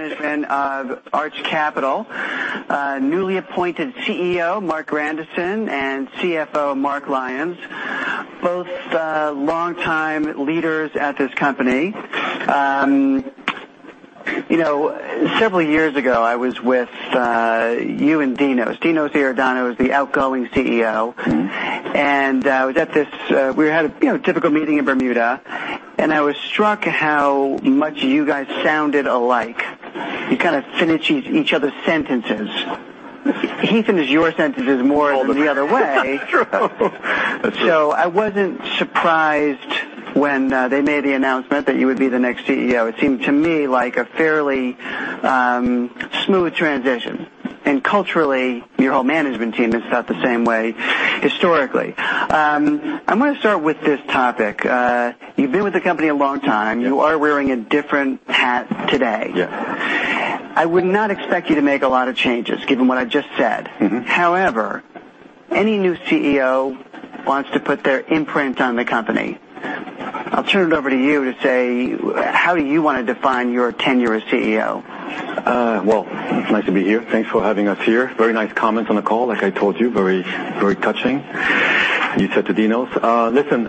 We got the management of Arch Capital, newly appointed CEO, Marc Grandisson, and CFO, Mark Lyons, both longtime leaders at this company. Several years ago, I was with you and Dinos. Dinos Iordanou is the outgoing CEO. We had a typical meeting in Bermuda, I was struck how much you guys sounded alike. You kind of finish each other's sentences. He finishes your sentences more than the other way. That's true. I wasn't surprised when they made the announcement that you would be the next CEO. It seemed to me like a fairly smooth transition. Culturally, your whole management team is about the same way historically. I'm going to start with this topic. You've been with the company a long time. Yeah. You are wearing a different hat today. Yeah. I would not expect you to make a lot of changes, given what I just said. Any new CEO wants to put their imprint on the company. I'll turn it over to you to say, how do you want to define your tenure as CEO? Well, it's nice to be here. Thanks for having us here. Very nice comments on the call, like I told you, very touching, you said to Dinos. Listen,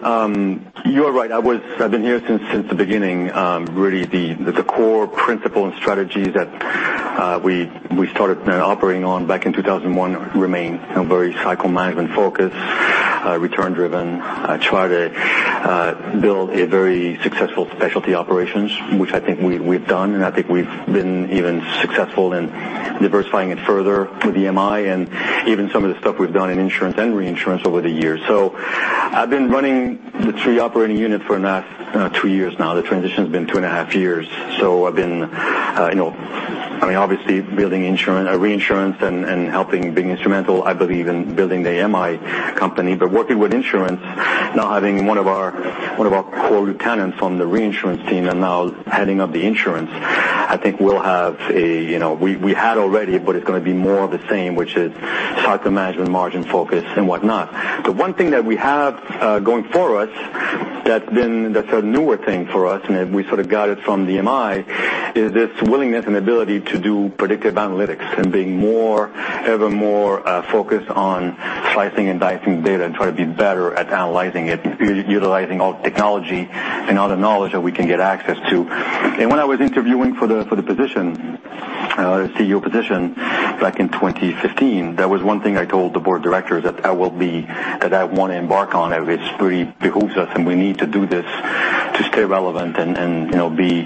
you are right. I've been here since the beginning. Really the core principle and strategy that we started operating on back in 2001 remain very cycle management focused, return driven, try to build a very successful specialty operations, which I think we've done, and I think we've been even successful in diversifying it further with the MI and even some of the stuff we've done in insurance and reinsurance over the years. I've been running the three operating unit for the last two years now. The transition's been two and a half years. I've been obviously building reinsurance and helping being instrumental, I believe, in building the MI company. Working with insurance now, having one of our core lieutenants from the reinsurance team and now heading up the insurance, I think we had already, but it's going to be more of the same, which is cycle management, margin focus and whatnot. The one thing that we have going forward that's a newer thing for us, and we sort of got it from the MI, is this willingness and ability to do predictive analytics and being ever more focused on slicing and dicing data and try to be better at analyzing it, utilizing all the technology and all the knowledge that we can get access to. When I was interviewing for the position, CEO position back in 2015, that was one thing I told the board of directors that I want to embark on, it really behooves us, and we need to do this to stay relevant and be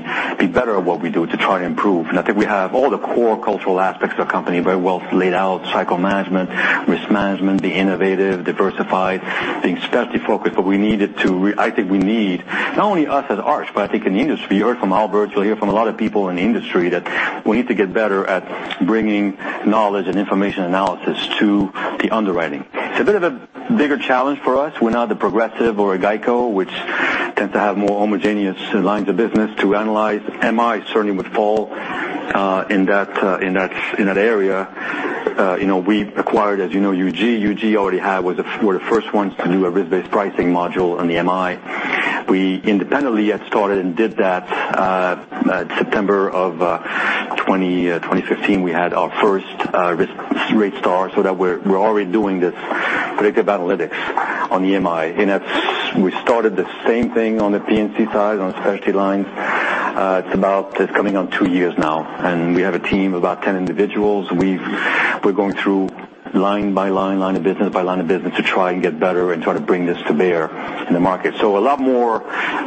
better at what we do to try to improve. I think we have all the core cultural aspects of the company very well laid out. Cycle management, risk management, be innovative, diversified, being specialty focused. I think we need, not only us at Arch, but I think in the industry, you heard from Albert, you'll hear from a lot of people in the industry that we need to get better at bringing knowledge and information analysis to the underwriting. It's a bit of a bigger challenge for us. We're not the Progressive or a GEICO, which tend to have more homogeneous lines of business to analyze. MI certainly would fall in that area. We acquired, as you know, UGC. UGC were the first ones to do a risk-based pricing module on the MI. We independently had started and did that. September of 2015, we had our first RateStar, so that we're already doing this predictive analytics on the MI. We started the same thing on the P&C side, on specialty lines. It's coming on two years now, and we have a team of about 10 individuals. We're going through line by line of business by line of business to try and get better and try to bring this to bear in the market. A lot more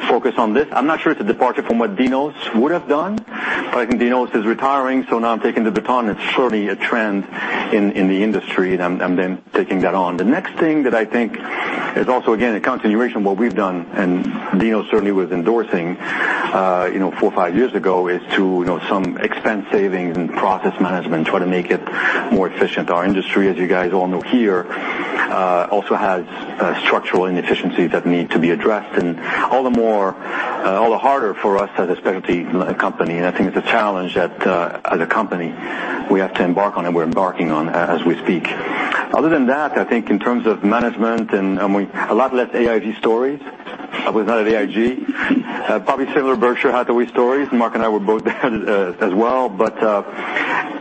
focus on this. I'm not sure it's a departure from what Dinos would have done, but I think Dinos is retiring, so now I'm taking the baton. It's certainly a trend in the industry, and I'm then taking that on. The next thing that I think is also, again, a continuation of what we've done and Dinos certainly was endorsing four or five years ago, is to some expense savings and process management, try to make it more efficient. Our industry, as you guys all know here, also has structural inefficiencies that need to be addressed and all the harder for us as a specialty company. I think it's a challenge that as a company, we have to embark on and we're embarking on as we speak. Other than that, I think in terms of management and a lot less AIG stories without AIG. Probably similar Berkshire Hathaway stories. Mark and I were both there as well.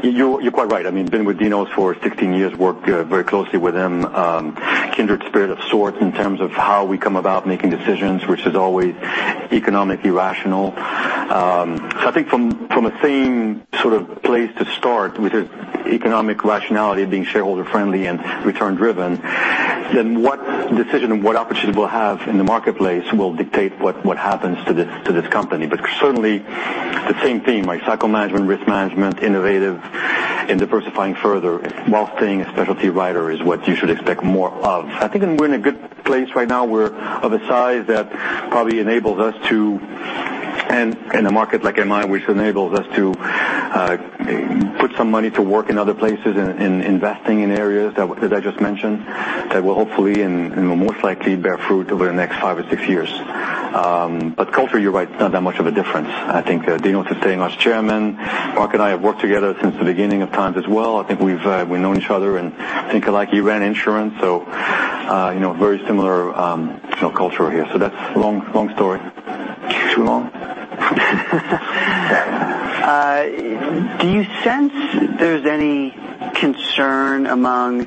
You're quite right. I mean, been with Dinos for 16 years, worked very closely with him, kindred spirit of sorts in terms of how we come about making decisions, which is always economically rational. I think from a same sort of place to start with economic rationality, being shareholder friendly and return driven, then what decision and what opportunities we'll have in the marketplace will dictate what happens to this company. Certainly the same thing, like cycle management, risk management, innovative and diversifying further while staying a specialty writer is what you should expect more of. I think we're in a good place right now. We're of a size that probably enables us to, and in a market like MI, which enables us to put some money to work in other places, in investing in areas that I just mentioned, that will hopefully and more likely bear fruit over the next five or six years. Culture, you're right, it's not that much of a difference. I think Dinos is staying as chairman. Mark and I have worked together since the beginning of times as well. I think we've known each other and think alike. He ran insurance, very similar culture here. That's a long story. Too long? Do you sense there's any concern among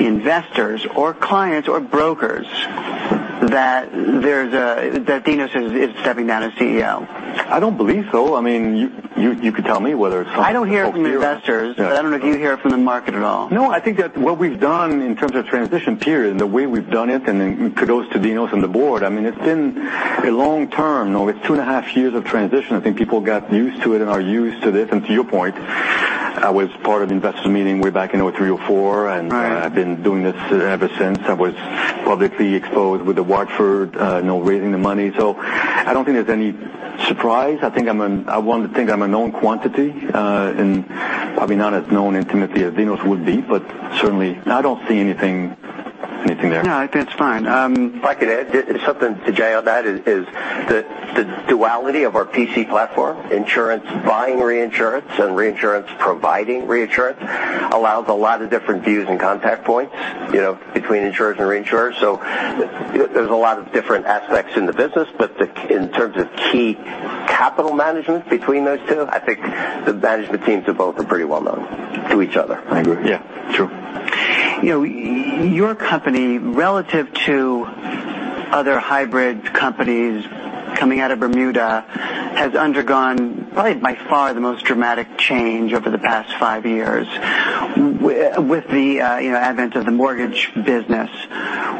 investors or clients or brokers that Dinos is stepping down as CEO? I don't believe so. You could tell me. I don't hear it from investors out there. I don't know if you hear it from the market at all. No, I think that what we've done in terms of transition period and the way we've done it, kudos to Dinos and the board, it's been a long term. It's two and a half years of transition. I think people got used to it and are used to this. To your point, I was part of investor meeting way back in 2003 or 2004. Right I've been doing this ever since. I was publicly exposed with the Watford, raising the money. I don't think there's any surprise. I want to think I'm a known quantity, and probably not as known intimately as Dinos would be, but certainly I don't see anything there. No, I think it's fine. If I could add something to Jay on that is, the duality of our P&C platform, insurance buying reinsurance and reinsurance providing reinsurance, allows a lot of different views and contact points between insurers and reinsurers. There's a lot of different aspects in the business, but in terms of key capital management between those two, I think the management teams of both are pretty well-known to each other. I agree. Yeah. True. Your company, relative to other hybrid companies coming out of Bermuda, has undergone probably by far the most dramatic change over the past five years with the advent of the mortgage business.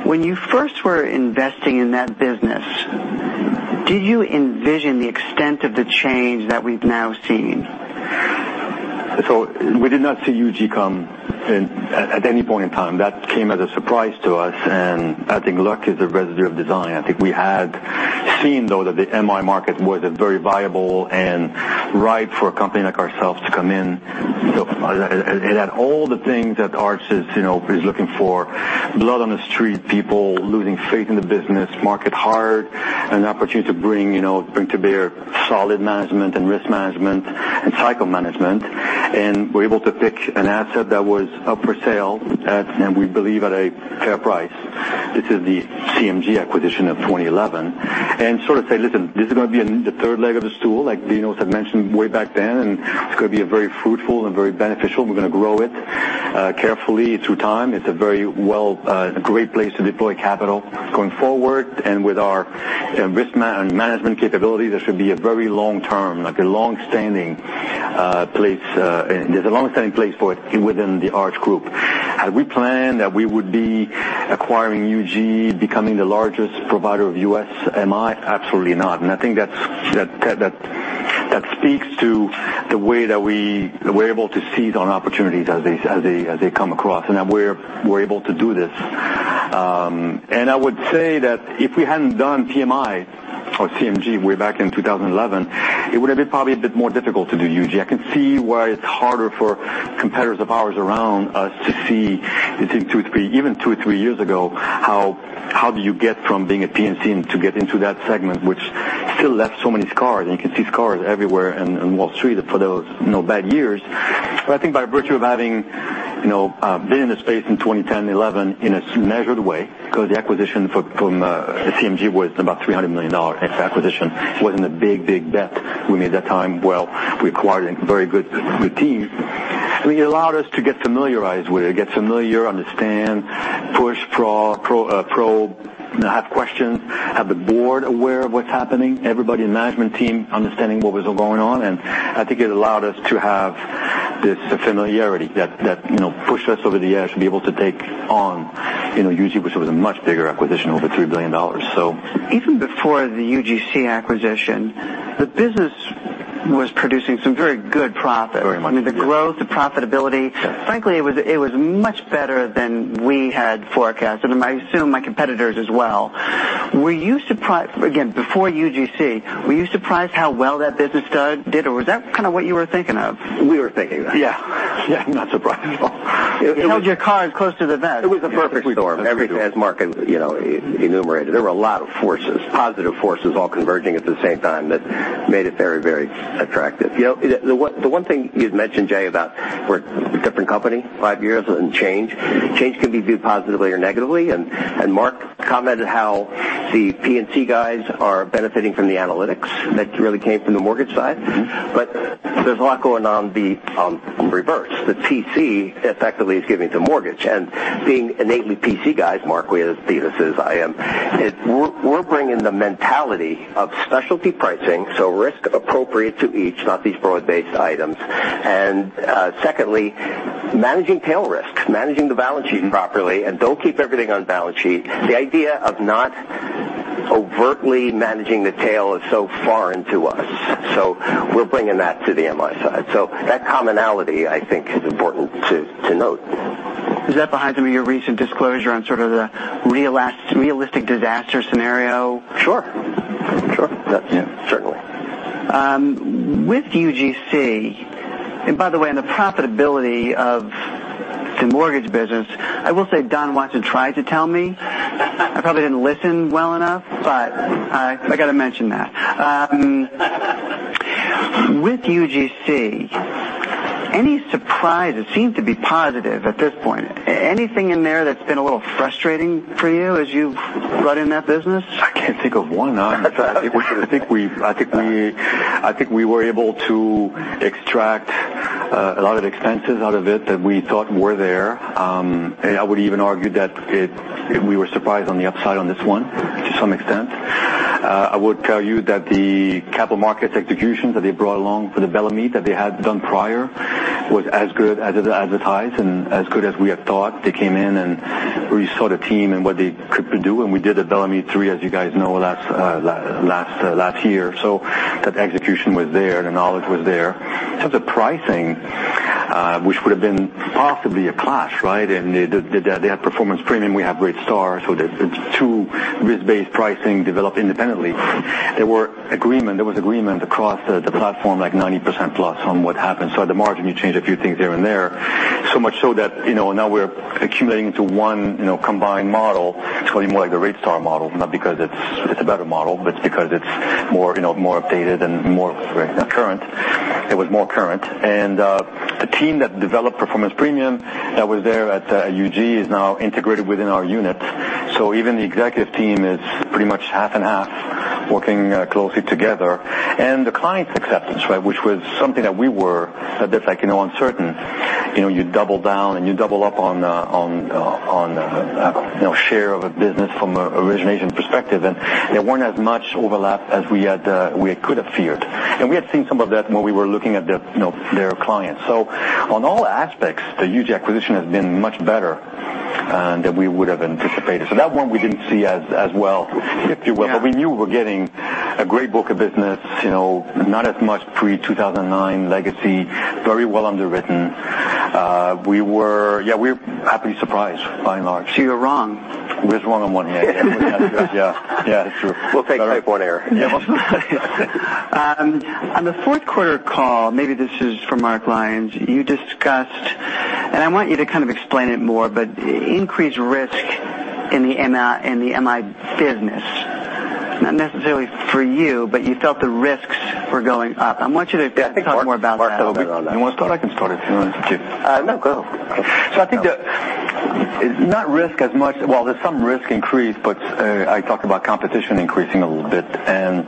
When you first were investing in that business, did you envision the extent of the change that we've now seen? We did not see UGC come in at any point in time. That came as a surprise to us, and I think luck is the residue of design. I think we had seen, though, that the MI market was a very viable and ripe for a company like ourselves to come in. It had all the things that Arch is looking for. Blood on the street, people losing faith in the business, market hard, an opportunity to bring to bear solid management and risk management and cycle management. We're able to pick an asset that was up for sale, and we believe at a fair price. This is the CMG acquisition of 2011. Sort of say, "Listen, this is going to be the third leg of the stool," like Dinos had mentioned way back then, it's going to be very fruitful and very beneficial, we're going to grow it carefully through time. It's a very great place to deploy capital going forward. With our risk management capabilities, there should be a very long term, like a long-standing place. There's a long-standing place for it within the Arch group. Had we planned that we would be acquiring UGC, becoming the largest provider of U.S. MI? Absolutely not. I think that speaks to the way that we're able to seize on opportunities as they come across, and that we're able to do this. I would say that if we hadn't done PMI or CMG way back in 2011, it would've been probably a bit more difficult to do UGC. I can see why it's harder for competitors of ours around us to see between two, three, even two or three years ago, how do you get from being a P&C to get into that segment, which still left so many scars, you can see scars everywhere on Wall Street for those bad years. I think by virtue of having been in the space in 2010 and 2011 in a measured way, because the acquisition from CMG was about $300 million. Its acquisition wasn't a big, big bet we made that time. Well, we acquired a very good team, it allowed us to get familiarized with it, get familiar, understand, push, probe, have questions, have the board aware of what's happening, everybody in management team understanding what was going on. It allowed us to have this familiarity that pushed us over the edge to be able to take on UGC, which was a much bigger acquisition, over $3 billion. Even before the UGC acquisition, the business was producing some very good profit. Very much. The growth, the profitability. Yes. Frankly, it was much better than we had forecasted, and I assume my competitors as well. Again, before UGC, were you surprised how well that business did, or was that kind of what you were thinking of? We were thinking that. Yeah. Yeah, not surprised at all. You held your card close to the vest. It was a perfect storm. As Mark enumerated, there were a lot of forces, positive forces, all converging at the same time that made it very, very attractive. The one thing you'd mentioned, Jay, about we're a different company 5 years and change. Change can be viewed positively or negatively, and Mark commented how the P&C guys are benefiting from the analytics that really came from the mortgage side. There's a lot going on the reverse. The P&C effectively is giving to mortgage. Being innately P&C guys, Mark, we as Dinos is, I am, we're bringing the mentality of specialty pricing, so risk appropriate to each, not these broad-based items. Secondly, managing tail risk, managing the balance sheet properly, and don't keep everything on balance sheet. The idea of not overtly managing the tail is so foreign to us. We're bringing that to the MI side. That commonality, I think, is important to note. Is that behind some of your recent disclosure on sort of the realistic disaster scenario? Sure. That's it. Certainly. With UGC, and by the way, on the profitability of the mortgage business, I will say Donald Watson tried to tell me. I probably didn't listen well enough, but I got to mention that. With UGC, any surprises seem to be positive at this point. Anything in there that's been a little frustrating for you as you've run in that business? I can't think of one. I think we were able to extract a lot of expenses out of it that we thought were there. I would even argue that we were surprised on the upside on this one to some extent. I would tell you that the capital markets execution that they brought along for the Bellemeade that they had done prior was as good as advertised and as good as we had thought. They came in and we saw the team and what they could do when we did the Bellemeade 3, as you guys know, last year. That execution was there, the knowledge was there. In terms of pricing, which would have been possibly a clash, right? They had Performance Premium, we have RateStar, it's two risk-based pricing developed independently. There was agreement across the platform like 90% plus on what happened. At the margin, you change a few things here and there. So much so that now we're accumulating into one combined model. It's going to be more like the RateStar model, not because it's a better model, but because it's more updated and more current. It was more current. The team that developed Performance Premium that was there at UGC is now integrated within our unit. Even the executive team is pretty much half and half working closely together. The client's acceptance, which was something that we were a bit uncertain. You double down and you double up on share of a business from an origination perspective, and there weren't as much overlap as we could have feared. We had seen some of that when we were looking at their clients. On all aspects, the UGC acquisition has been much better than we would have anticipated. That one we didn't see as well, if you will. Yeah. We knew we were getting a great book of business, not as much pre-2009 legacy, very well underwritten. We were happily surprised, by and large. You were wrong. With one on one, yeah. Yeah, that's true. We'll take one error. Yeah. On the fourth quarter call, maybe this is for Mark Lyons, you discussed, and I want you to kind of explain it more, but increased risk in the MI business. Not necessarily for you, but you felt the risks were going up. I want you to talk more about that. Marc, do you want to start? I can start if you want. No, go. I think it's not risk as much. Well, there's some risk increase, but I talked about competition increasing a little bit, and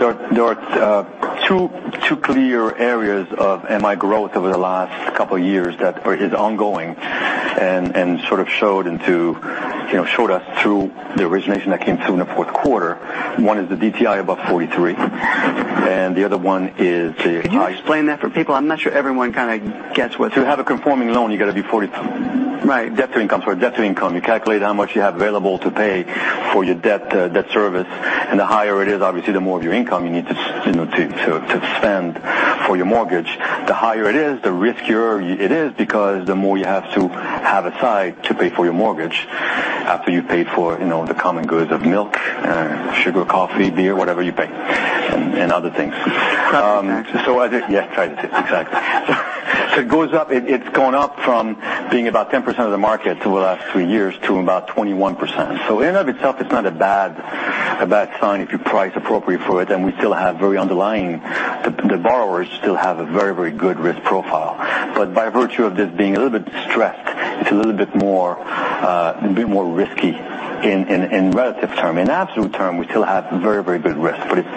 there are two clear areas of MI growth over the last couple of years that is ongoing and sort of showed us through the origination that came through in the fourth quarter. One is the DTI above 43, the other one is the- Can you explain that for people? I'm not sure everyone kind of gets what's. To have a conforming loan, you got to be 40. Right. Debt to income. You calculate how much you have available to pay for your debt service, the higher it is, obviously, the more of your income you need to spend for your mortgage. The higher it is, the riskier it is because the more you have to have aside to pay for your mortgage after you've paid for the common goods of milk, sugar, coffee, beer, whatever you pay, and other things. Yeah, exactly. It's gone up from being about 10% of the market over the last three years to about 21%. In and of itself, it's not a bad sign if you price appropriate for it. We still have very underlying, the borrowers still have a very good risk profile. By virtue of this being a little bit stressed, it's a little bit more risky in relative term. In absolute term, we still have very good risk, it's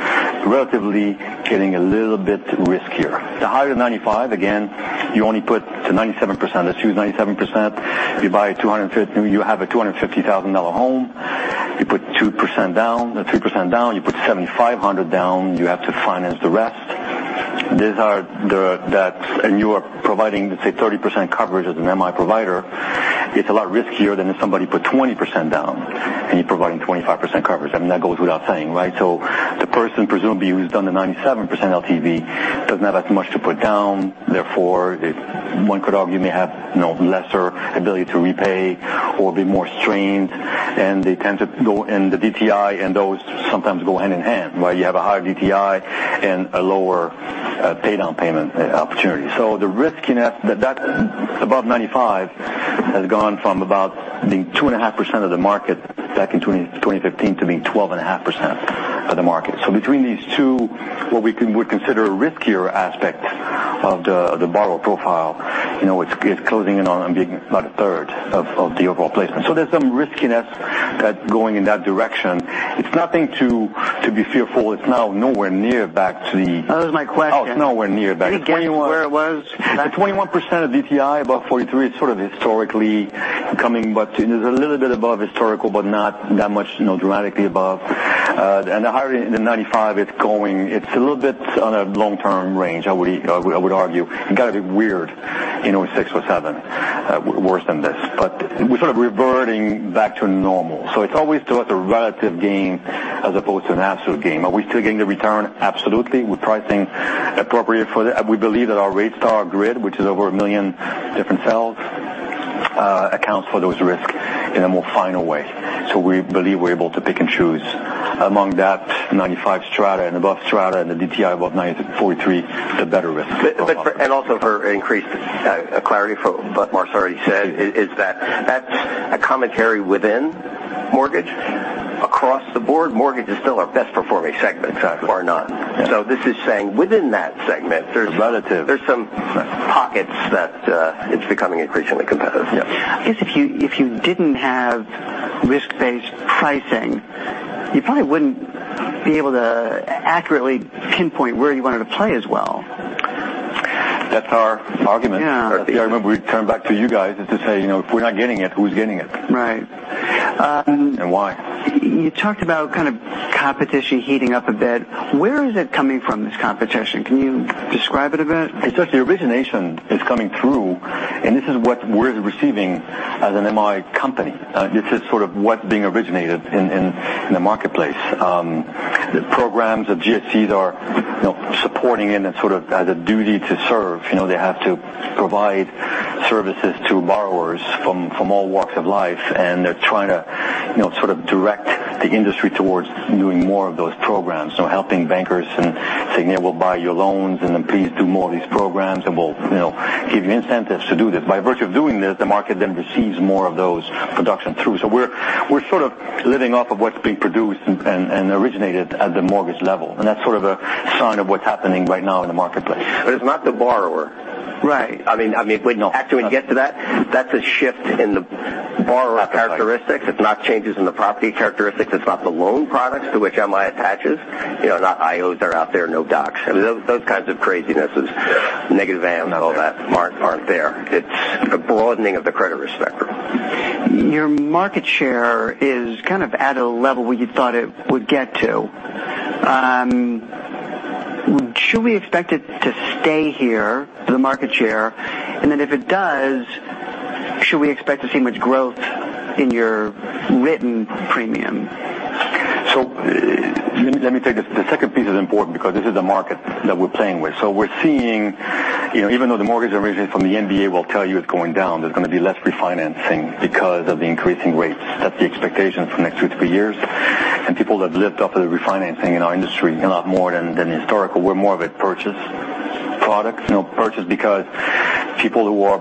relatively getting a little bit riskier. The higher the 95, again, you only put to 97%. Let's use 97%. You have a $250,000 home. You put 2% down or 3% down. You put $7,500 down. You have to finance the rest. You are providing, let's say, 30% coverage as an MI provider. It's a lot riskier than if somebody put 20% down and you're providing 25% coverage. I mean, that goes without saying, right? The person presumably who's done the 97% LTV does not have much to put down. Therefore, one could argue may have lesser ability to repay or be more strained, they tend to go in the DTI, those sometimes go hand in hand. You have a high DTI and a lower paid down payment opportunity. The riskiness above 95 has gone from about being 2.5% of the market back in 2015 to being 12.5% of the market. Between these two, what we would consider a riskier aspect of the borrower profile, it's closing in on being about a third of the overall placement. There's some riskiness that's going in that direction. It's nothing to be fearful. It's now nowhere near back to the. That was my question. Oh, it's nowhere near back. Do you think it's where it was? The 21% of DTI above 43 is sort of historically coming, but it is a little bit above historical, but not that much dramatically above. The higher the 95 it's going, it's a little bit on a long-term range, I would argue. It got a bit weird in 2006 or 2007, worse than this. We're sort of reverting back to normal. It's always still at the relative gain as opposed to an absolute gain. Are we still getting the return? Absolutely. We're pricing appropriate for that. We believe that our RateStar grid, which is over a million different cells, accounts for those risks in a more finer way. We believe we're able to pick and choose among that 95 strata and above strata and the DTI above 43, the better risk. Also for increased clarity for what Marc already said is that that's a commentary within mortgage? The board mortgage is still our best performing segment. Exactly. Far none. This is saying within that segment. Relative There's some pockets that it's becoming increasingly competitive. Yes. I guess if you didn't have risk-based pricing, you probably wouldn't be able to accurately pinpoint where you wanted to play as well. That's our argument. Yeah. I remember we turned back to you guys is to say, "If we're not getting it, who's getting it? Right. Why. You talked about competition heating up a bit. Where is it coming from, this competition? Can you describe it a bit? It's just the origination is coming through. This is what we're receiving as an MI company. This is sort of what being originated in the marketplace. The programs that GSEs are supporting in that sort of as a duty to serve. They have to provide services to borrowers from all walks of life, and they're trying to sort of direct the industry towards doing more of those programs. Helping bankers and saying, "We'll buy your loans, and then please do more of these programs, and we'll give you incentives to do this." By virtue of doing this, the market then receives more of those production through. We're sort of living off of what's being produced and originated at the mortgage level, and that's sort of a sign of what's happening right now in the marketplace. It's not the borrower. Right. After we get to that's a shift in the borrower characteristics. It's not changes in the property characteristics. It's not the loan products to which MI attaches. Not IOs that are out there, no docs. Those kinds of crazinesses. Yeah Negative amortization and all that aren't there. It's a broadening of the credit spectrum. Your market share is kind of at a level where you thought it would get to. Should we expect it to stay here, the market share? If it does, should we expect to see much growth in your written premium? Let me take this. The second piece is important because this is the market that we're playing with. We're seeing, even though the mortgage origination from the MBA will tell you it's going down, there's going to be less refinancing because of the increasing rates. That's the expectation for the next two to three years. People that lived off of the refinancing in our industry a lot more than historical. We're more of a purchase product. Purchase because people who are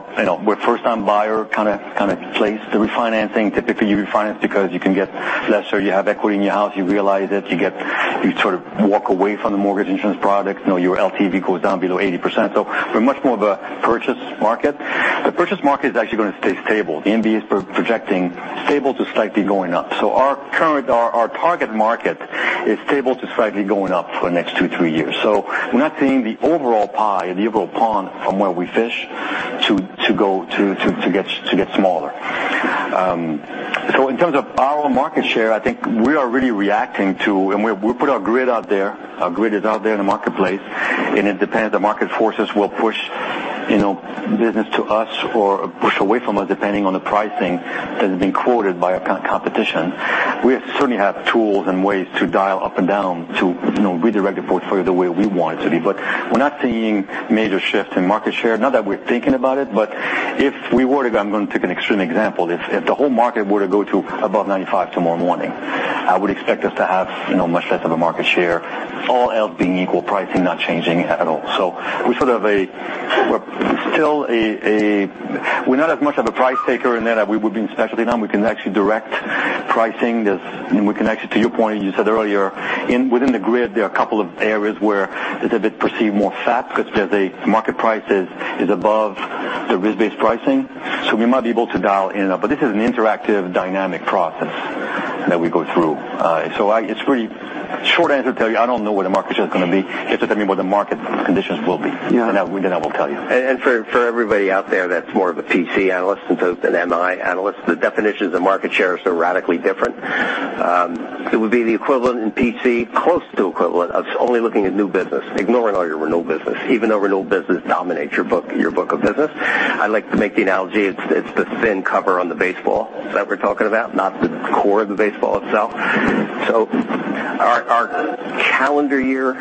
first-time buyer kind of displace the refinancing. Typically, you refinance because you can get lesser, you have equity in your house, you realize it, you sort of walk away from the mortgage insurance product. Your LTV goes down below 80%. We're much more of a purchase market. The purchase market is actually going to stay stable. The MBA is projecting stable to slightly going up. Our target market is stable to slightly going up for the next two, three years. We're not seeing the overall pie or the overall pond from where we fish to get smaller. In terms of our market share, I think we are really reacting to, and we put our grid out there. Our grid is out there in the marketplace, and it depends. The market forces will push business to us or push away from us, depending on the pricing that has been quoted by our competition. We certainly have tools and ways to dial up and down to redirect the portfolio the way we want it to be. We're not seeing major shifts in market share, not that we're thinking about it. If we were to, I'm going to take an extreme example. If the whole market were to go to above 95 tomorrow morning, I would expect us to have much less of a market share, all else being equal, pricing not changing at all. We're not as much of a price taker in that we've been specialty now. We can actually direct pricing. We can actually, to your point, you said earlier, within the grid, there are a couple of areas where there's a bit perceived more fat because the market price is above the risk-based pricing. We might be able to dial in and up, but this is an interactive, dynamic process that we go through. Short answer tell you, I don't know where the market share is going to be. You have to tell me where the market conditions will be. Yeah. I will tell you. For everybody out there that's more of a P&C analyst than MI analyst, the definitions of market share are so radically different. It would be the equivalent in P&C, close to equivalent of only looking at new business, ignoring all your renewal business, even though renewal business dominates your book of business. I like to make the analogy, it's the thin cover on the baseball that we're talking about, not the core of the baseball itself. Our calendar year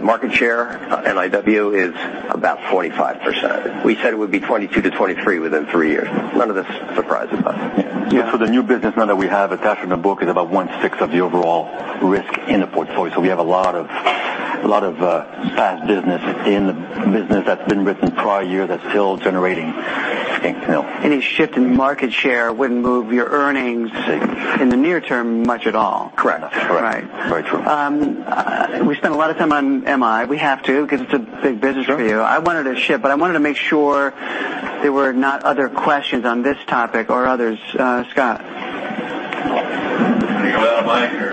market share, NIW, is about 45%. We said it would be 22%-23% within three years. None of this surprises us. Yeah. The new business now that we have attached on the book is about one sixth of the overall risk in the portfolio. We have a lot of past business in the business that's been written prior year that's still generating income. Any shift in market share wouldn't move your earnings in the near term much at all. Correct. Correct. Right. Very true. We spent a lot of time on MI. We have to because it's a big business for you. Sure. I wanted to shift, but I wanted to make sure there were not other questions on this topic or others. Scott. Can I go without a mic or?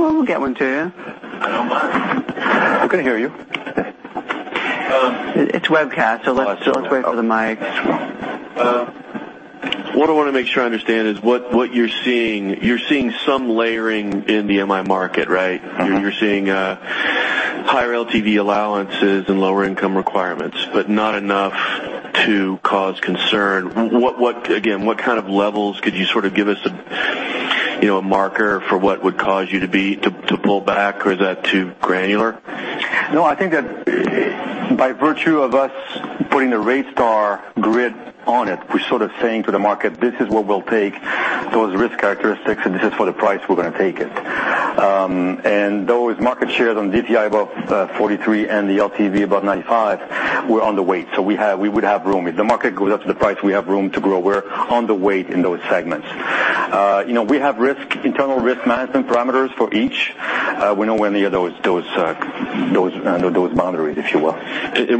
We'll get one to you. I don't mind. We can hear you. It's webcast, so let's wait for the mic. What I want to make sure I understand is what you're seeing. You're seeing some layering in the MI market, right? You're seeing higher LTV allowances and lower income requirements, but not enough to cause concern. Again, what kind of levels could you sort of give us a marker for what would cause you to pull back, or is that too granular? I think that by virtue of us putting the RateStar grid on it, we're sort of saying to the market, this is what we'll take, those risk characteristics, and this is for the price we're going to take it. Those market shares on DTI above 43 and the LTV above 95 were underweight. We would have room. If the market goes up to the price, we have room to grow. We're underweight in those segments. We have internal risk management parameters for each. We know any of those boundaries, if you will.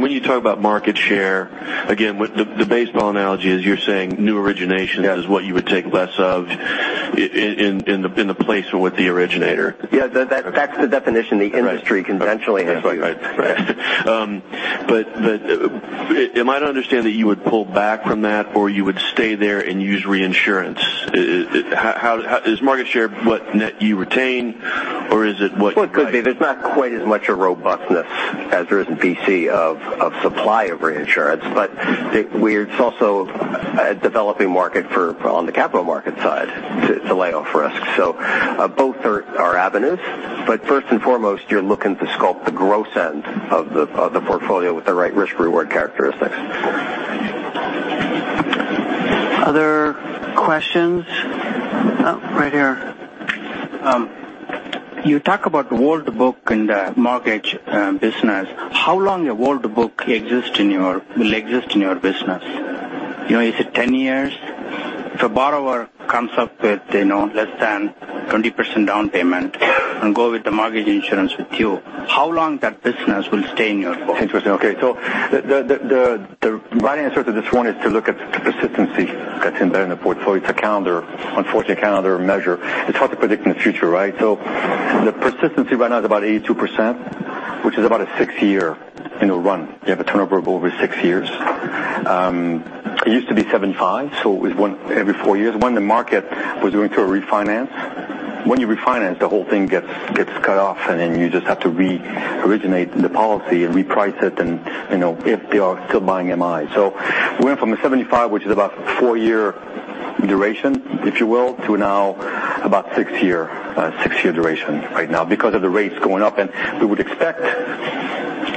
When you talk about market share, again, the baseball analogy is you're saying new originations. Yeah is what you would take less of in the place with the originator. Yeah. That's the definition the industry conventionally has used. Right. Am I to understand that you would pull back from that, or you would stay there and use reinsurance? Is market share what net you retain, or is it what you might- Well, it could be. There's not quite as much a robustness as there is in P&C of supply of reinsurance. It's also a developing market on the capital market side to lay off risk. Both are avenues. First and foremost, you're looking to sculpt the gross end of the portfolio with the right risk-reward characteristics. Other questions? Right here. You talk about the old book and the mortgage business. How long an old book will exist in your business? Is it 10 years? If a borrower comes up with less than 20% down payment and go with the mortgage insurance with you, how long that business will stay in your book? Interesting. Okay. The right answer to this one is to look at the persistency that's in there in the portfolio. It's an unfortunate calendar measure. It's hard to predict in the future, right? The persistency right now is about 82%, which is about a six-year run. You have a turnover of over six years. It used to be 75%, so every four years. When the market was going through a refinance, when you refinance, the whole thing gets cut off, and then you just have to re-originate the policy and reprice it if they are still buying MI. We went from a 75%, which is about four-year duration, if you will, to now about six-year duration right now because of the rates going up, and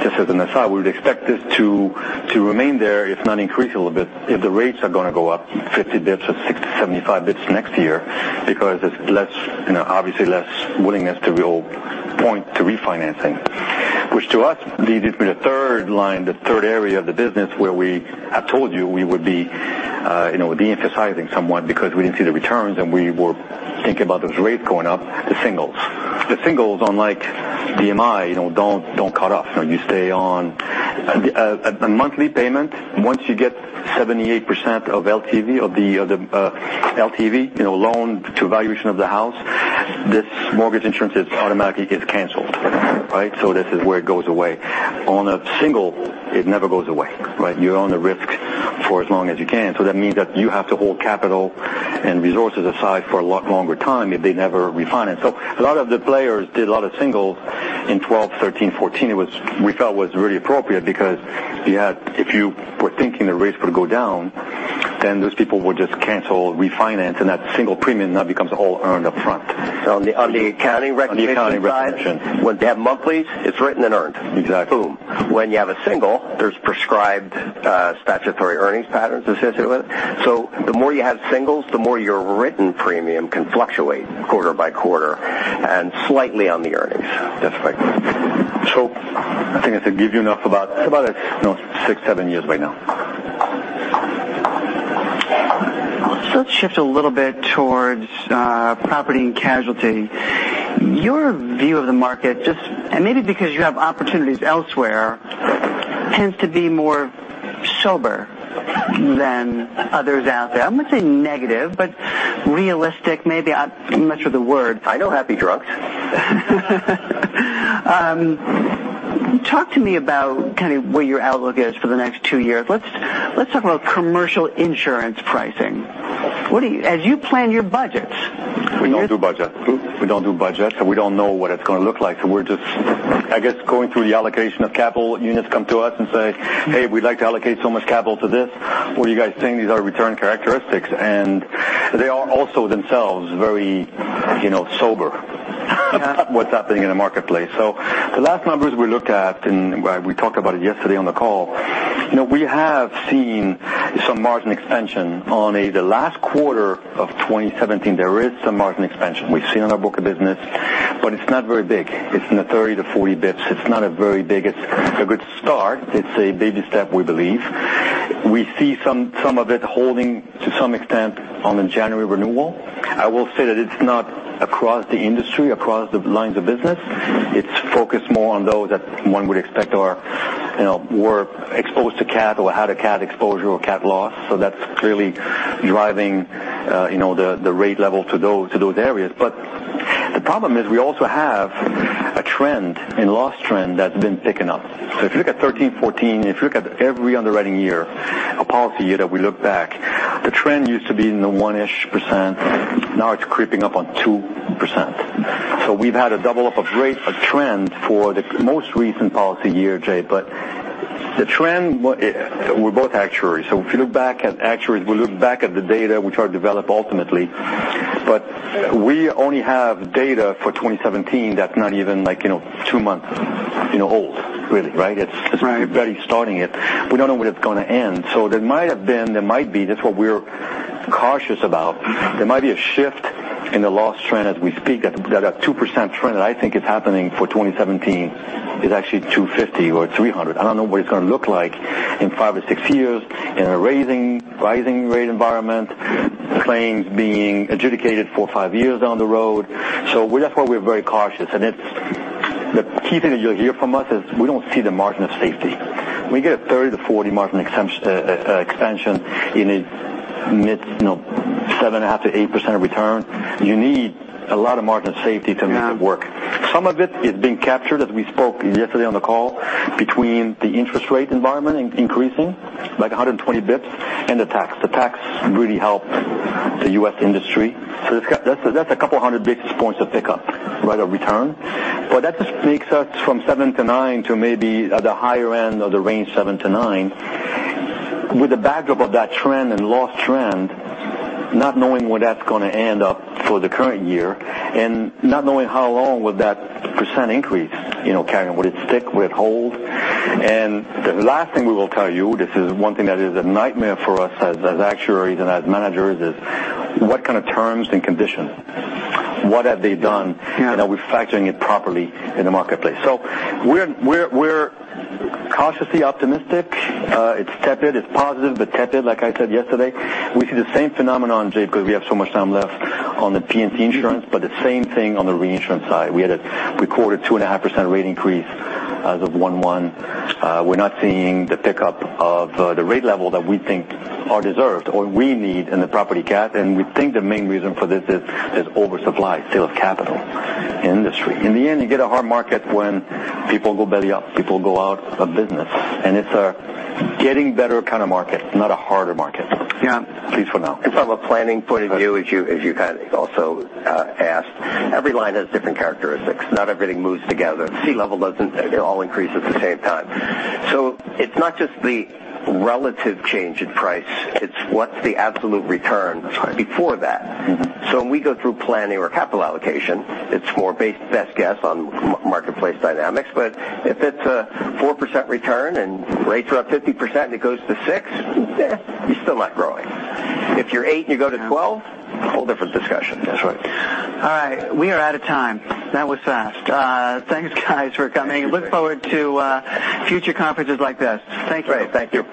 just as an aside, we would expect this to remain there, if not increase a little bit if the rates are going to go up 50 bps or 60-75 bps next year because it's obviously less willingness to point to refinancing. To us leads me to the third line, the third area of the business where we have told you we would be de-emphasizing somewhat because we didn't see the returns, and we were thinking about those rates going up, the singles. The singles, unlike the MI, don't cut off. You stay on a monthly payment. Once you get 78% of LTV, loan to valuation of the house, this mortgage insurance automatically gets canceled. This is where it goes away. On a single, it never goes away. You own the risk for as long as you can. That means that you have to hold capital and resources aside for a lot longer time if they never refinance. A lot of the players did a lot of single in 2012, 2013, 2014. We felt was really appropriate because if you were thinking the rates would go down, then those people would just cancel, refinance, and that single premium now becomes a whole earned up front. On the accounting recognition side. On the accounting recognition When they have monthlies, it's written and earned. Exactly. Boom. When you have a single, there's prescribed statutory earnings patterns associated with it. The more you have singles, the more your written premium can fluctuate quarter by quarter and slightly on the earnings. That's right. I think I said give you enough about six, seven years by now. Let's shift a little bit towards property and casualty. Your view of the market, and maybe because you have opportunities elsewhere, tends to be more sober than others out there. I wouldn't say negative, but realistic, maybe. I'm not sure of the word. I know happy drugs. Talk to me about kind of where your outlook is for the next two years. Let's talk about commercial insurance pricing. As you plan your budgets- We don't do budgets. We don't do budgets, we don't know what it's going to look like. We're just, I guess, going through the allocation of capital. Units come to us and say, "Hey, we'd like to allocate so much capital to this. What are you guys seeing these are return characteristics?" They are also themselves very sober about what's happening in the marketplace. The last numbers we looked at, and we talked about it yesterday on the call, we have seen some margin expansion on the last quarter of 2017. There is some margin expansion we've seen on our book of business, but it's not very big. It's in the 30 to 40 basis points. It's not very big. It's a good start. It's a baby step, we believe. We see some of it holding to some extent on the January renewal. I will say that it's not across the industry, across the lines of business. It's focused more on those that one would expect were exposed to cat or had a cat exposure or cat loss. That's clearly driving the rate level to those areas. The problem is we also have a trend, a loss trend that's been picking up. If you look at 2013, 2014, if you look at every underwriting year, a policy year that we look back, the trend used to be in the one-ish percent. Now it's creeping up on 2%. We've had a double up of rate, a trend for the most recent policy year, Jay. We're both actuaries. If you look back at actuaries, we look back at the data we try to develop ultimately. But we only have data for 2017 that's not even two months old, really, right? Right. We're barely starting it. We don't know when it's going to end. There might have been, there might be, that's what we're cautious about. There might be a shift in the loss trend as we speak, that 2% trend that I think is happening for 2017 is actually 250 or 300. I don't know what it's going to look like in five or six years in a rising rate environment, claims being adjudicated for five years down the road. That's why we're very cautious. The key thing that you'll hear from us is we don't see the margin of safety. We get a 30 to 40 margin expansion in a mid 7.5% to 8% return. You need a lot of margin of safety to make it work. Some of it is being captured, as we spoke yesterday on the call, between the interest rate environment increasing by 120 basis points and the tax. The tax really helped the U.S. industry. That's a couple hundred basis points of pickup, rate of return. That just takes us from seven to nine to maybe at the higher end of the range, seven to nine. With the backdrop of that trend and loss trend, not knowing where that's going to end up for the current year and not knowing how long will that percent increase carry on. Will it stick, will it hold? The last thing we will tell you, this is one thing that is a nightmare for us as actuaries and as managers, is what kind of terms and conditions, what have they done. Yeah Are we factoring it properly in the marketplace? We're cautiously optimistic. It's tepid. It's positive, but tepid, like I said yesterday. We see the same phenomenon, Jay, because we have so much time left on the P&C insurance, but the same thing on the reinsurance side. We recorded a 2.5% rate increase as of 1/1. We're not seeing the pickup of the rate level that we think are deserved or we need in the property cat. We think the main reason for this is oversupply, still of capital in the industry. In the end, you get a hard market when people go belly up, people go out of business, and it's a getting better kind of market, not a harder market. Yeah. At least for now. From a planning point of view, as you kind of also asked, every line has different characteristics. Not everything moves together. Sea level doesn't all increase at the same time. It's not just the relative change in price, it's what's the absolute return before that. That's right. When we go through planning or capital allocation, it's more best guess on marketplace dynamics. If it's a 4% return and rates are up 50% and it goes to 6, you're still not growing. If you're 8 and you go to 12, whole different discussion. That's right. All right. We are out of time. That was fast. Thanks, guys, for coming. Look forward to future conferences like this. Thank you. Great. Thank you.